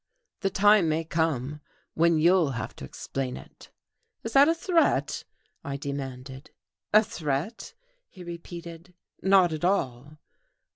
"The time may come, when you'll have to explain it." "Is that a threat?" I demanded. "A threat?" he repeated. "Not at all."